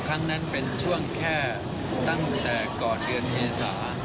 ครั้งนั้นเป็นช่วงแค่ตั้งแต่ก่อนเดือนเมษา